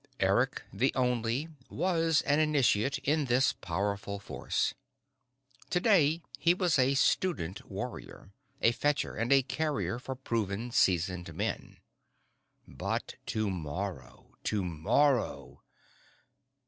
Eric the Only was an initiate in this powerful force. Today, he was a student warrior, a fetcher and a carrier for proven, seasoned men. But tomorrow, tomorrow....